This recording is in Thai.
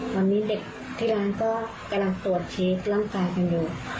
วันนี้เด็กที่ร้านก็กำลังตรวจเช็คร่างกายกันอยู่